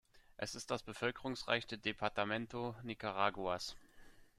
Es ist das bevölkerungsreichste Departamento Nicaraguas.